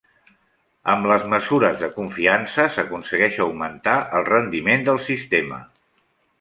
Amb les mesures de confiança s'aconsegueix augmentar el rendiment del sistema.